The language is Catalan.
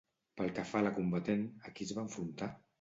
Pel que fa a la combatent, a qui es va enfrontar?